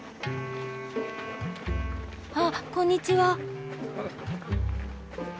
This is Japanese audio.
あっこんにちは。